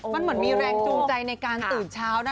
มันเหมือนมีแรงจูงใจในการตื่นเช้านะ